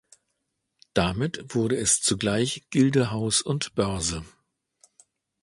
Damit wurde es zugleich Gildehaus und Börse.